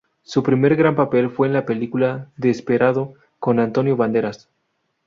Su primer gran papel fue en la película "Desperado" con Antonio Banderas.